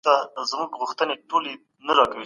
پر دغي څوکۍ باندې کښېنه چي زموږ کیسه خلاصه سي.